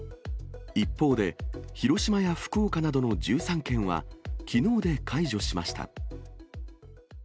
一方で、広島や福岡などの１３県は、きのうで解除しました。